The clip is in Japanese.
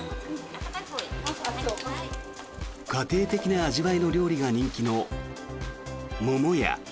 家庭的な味わいの料理が人気の桃や。